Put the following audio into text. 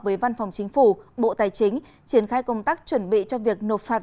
với văn phòng chính phủ bộ tài chính triển khai công tác chuẩn bị cho việc nộp phạt